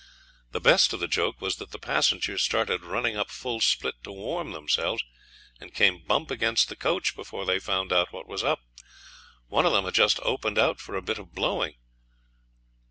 The best of the joke was that the passengers started running up full split to warm themselves, and came bump against the coach before they found out what was up. One of them had just opened out for a bit of blowing.